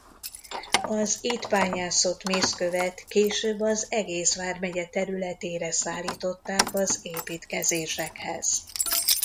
Az itt bányászott mészkövet később az egész vármegye területére szállították az építkezésekhez.